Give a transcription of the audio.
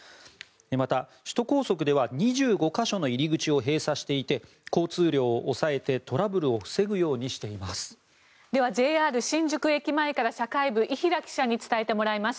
また、首都高速では２５か所の入り口を閉鎖していて交通量を抑えて、トラブルを防ぐようにしています。